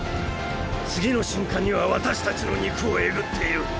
次の瞬間には私たちの肉をえぐっている。